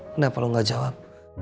kenapa lu gak jawab